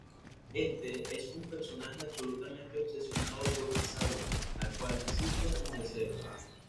Este es un personaje absolutamente obsesionado por Isaura, la cual resiste a sus deseos.